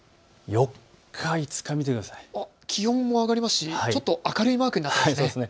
４日、５日、気温が上がりますしちょっと明るいマークになっていますね。